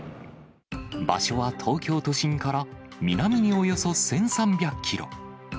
場所は東京都心から南におよそ１３００キロ。